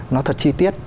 nó thật chi tiết